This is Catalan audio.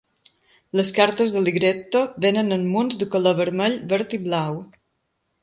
Les cartes de "Ligretto" vénen en munts de color vermell, verd i blau.